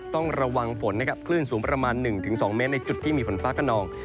ต้องระวังฝนนะครับคลื่นสูงประมาณ๑๒เมตรในจุดที่มีฝนฟ้าขนอง